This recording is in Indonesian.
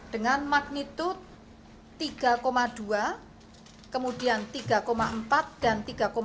dengan magnitud tiga dua kemudian tiga empat dan tiga empat